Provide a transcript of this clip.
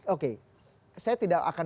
oke saya tidak akan